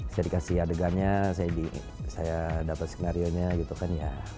saya dikasih adegannya saya dapat skenario nya gitu kan ya